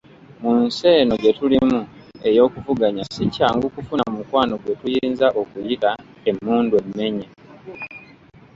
Mu nsi eno gye tulimu ey'okuvuganya si kyangu kufuna mukwano gwe tuyinza okuyita, “emmundu emmenye”